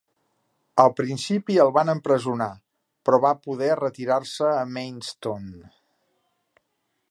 Al principi el van empresonar, però va poder retirar-se a Maidstone.